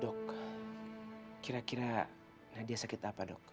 dok kira kira nadia sakit apa dok